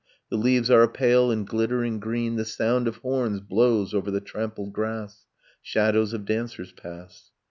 . The leaves are a pale and glittering green, The sound of horns blows over the trampled grass, Shadows of dancers pass